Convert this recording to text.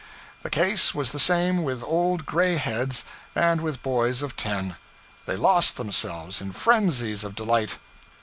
The case was the same with old gray heads and with boys of ten. They lost themselves in frenzies of delight.